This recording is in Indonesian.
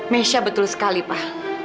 mesya betul sekali pak